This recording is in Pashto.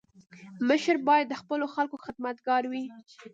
مشر باید د خپلو خلکو خدمتګار وي.